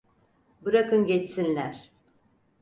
Bırakın geçsinler.